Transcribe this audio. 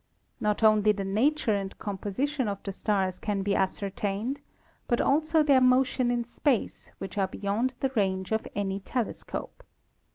Not only the nature and composition of the stars can be ascertained, but also their motion in space which are be yond the range of any telescope.